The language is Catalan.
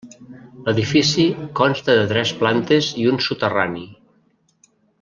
L'edifici consta de tres plantes i un soterrani.